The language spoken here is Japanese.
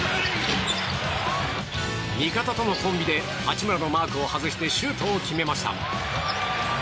味方とのコンビで八村のマークを外してシュートを決めました。